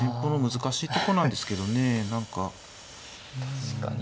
確かに。